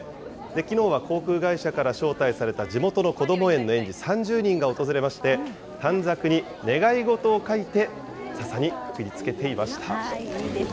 きのうは航空会社から招待された地元のこども園の園児３０人が訪れまして、短冊に願い事を書いて、ささにくいいですね。